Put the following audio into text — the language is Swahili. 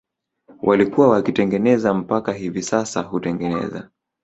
walikuwa wakitengeneza mpaka hivi sasa hutengeneza